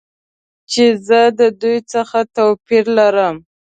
چې زه د دوی څخه توپیر لرم.